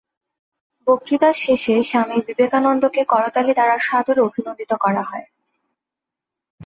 বক্তৃতার শেষে স্বামী বিবেকানন্দকে করতালি দ্বারা সাদরে অভিনন্দিত করা হয়।